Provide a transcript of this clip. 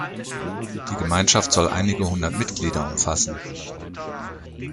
Die Gemeinschaft soll einige hundert Mitglieder umfassen.